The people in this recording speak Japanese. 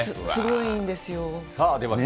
すごいんですよ、私。